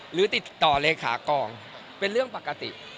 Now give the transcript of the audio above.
หรือติดต่อเลขากองเป็นเรื่องปกติ